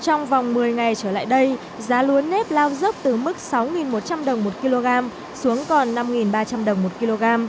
trong vòng một mươi ngày trở lại đây giá lúa nếp lao dốc từ mức sáu một trăm linh đồng một kg xuống còn năm ba trăm linh đồng một kg